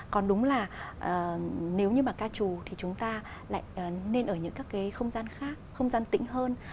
còn đúng là nếu như mà ca trù thì chúng ta lại nên ở những các cái không gian khác không gian tĩnh hơn